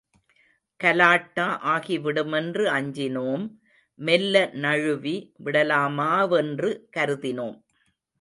கலாட்டா ஆகி விடுமென்று அஞ்சினோம், மெல்ல நழுவி விடலாமாவென்று கருதினோம்.